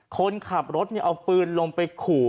คนขับรถเอาปืนลงไปขู่